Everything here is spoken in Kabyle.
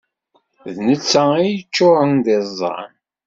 D netta ay yeččuṛen d iẓẓan.